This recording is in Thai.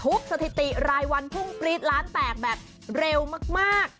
สถิติรายวันพุ่งปรี๊ดล้านแตกแบบเร็วมาก